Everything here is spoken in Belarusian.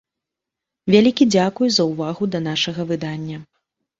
Вялікі дзякуй за ўвагу да нашага выдання.